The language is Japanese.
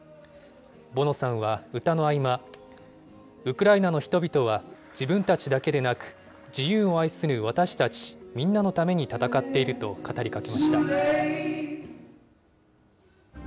ボノさんは歌の合間、ウクライナの人々は、自分たちだけでなく、自由を愛する私たち、みんなのために戦っていると語りかけました。